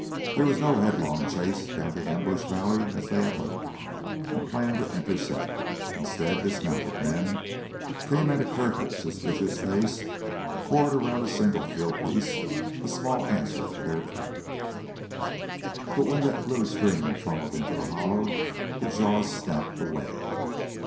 There was no headlong chase down the ambush valley as they had hoped and planned to intercept. Instead, dismounted men came at a careful, suspicious pace, cored around a single fieldpiece, a small answer to their trap. But when that blue stream funneled into the hollow, the jaws snapped away.